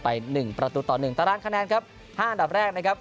ไปหนึ่งประตูต่อหนึ่งตารางคะแนนครับห้าอันดับแรกนะครับ